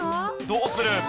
どうする？